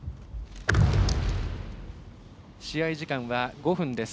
試合時間は５分です。